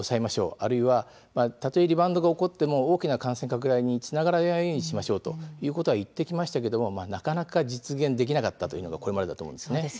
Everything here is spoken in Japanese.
あるいは、たとえリバウンドが起こっても大きな感染拡大につながらないようにしましょうと言ってきましたがなかなか実現できなかったというのがこれまでだと思います。